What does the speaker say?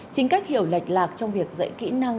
chính cách hiểu lệch lạc trong việc dạy kỹ năng